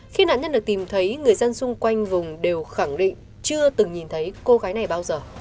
khi nạn nhân được tìm thấy người dân xung quanh vùng đều khẳng định chưa từng nhìn thấy cô gái này bao giờ